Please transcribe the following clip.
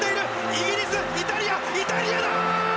イギリスイタリアイタリアだ！